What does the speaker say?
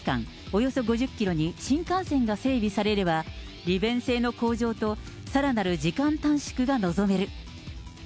およそ５０キロに新幹線が整備されれば、利便性の向上と、さらなる時間短縮が望める。